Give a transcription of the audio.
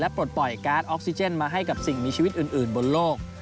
ปลดปล่อยการ์ดออกซิเจนมาให้กับสิ่งมีชีวิตอื่นบนโลก